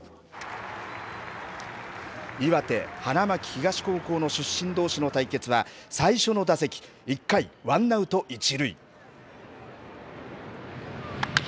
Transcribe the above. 岩手・花巻東高校の出身どうしの対決は、最初の打席、１回、ワンアウト１塁。